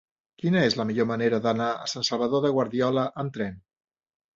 Quina és la millor manera d'anar a Sant Salvador de Guardiola amb tren?